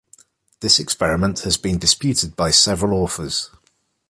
This experiment has been disputed by several authors.